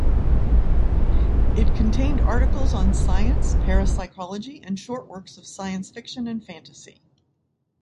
It contained articles on science, parapsychology, and short works of science fiction and fantasy.